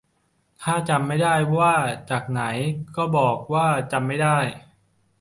ถ้าจำไม่ได้ว่าจากไหน ก็บอกว่าจำไม่ได้